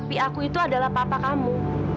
tapi aku itu adalah papa kamu